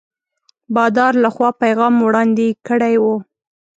بادار له خوا پیغام وړاندي کړی وو.